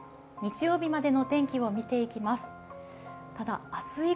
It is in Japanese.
日曜日までの天気を見ていきます。